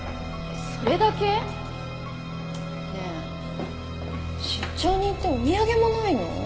それだけ？ねえ出張に行ってお土産もないの？